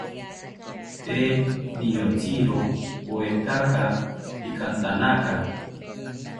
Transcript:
Tee niyotziro oetaka pikantanaka